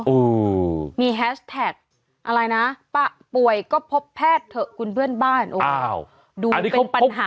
อูมีแฮชแท็กอะไรนะปะป่วยก็พบแพทย์เถอะคุณเพื่อนบ้านอ่าวดูเป็นปัญหาเนาะ